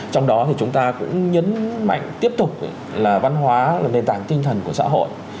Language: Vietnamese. trong đó thì chúng ta cũng nhấn mạnh tiếp tục là văn hóa là nền tảng tinh thần của xã hội